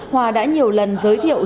hòa đã nhiều lần giới thiệu